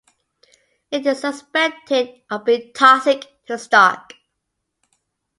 It is suspected of being toxic to stock.